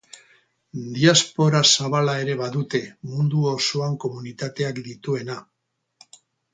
Diaspora zabala ere badute, mundu osoan komunitateak dituena.